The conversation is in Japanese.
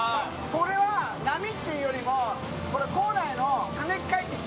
これは波っていうよりも。